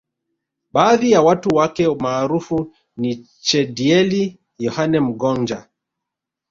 Baadhi ya watu wake maarufu niChedieli Yohane Mgonja